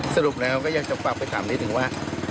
สรุปแล้วก็อยากจะฝากไปถามนิดนึงว่า